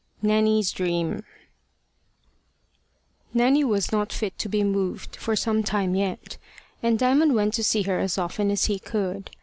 NANNY'S DREAM NANNY was not fit to be moved for some time yet, and Diamond went to see her as often as he could.